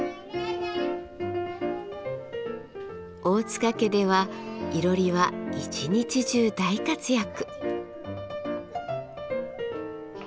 大塚家ではいろりは一日中大活躍。